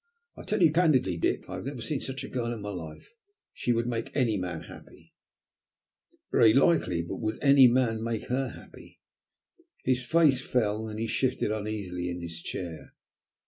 I tell you candidly, Dick, I have never seen such a girl in my life. She would make any man happy." "Very likely, but would any man make her happy?" His face fell, and he shifted uneasily in his chair.